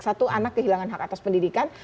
satu anak kehilangan hak atas pendidikan